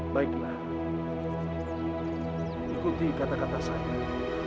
baiklah ikuti kata kata saya